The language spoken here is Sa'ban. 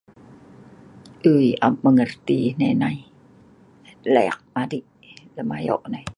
tui am eek megerti nai nai.le eek madei lem ayo nai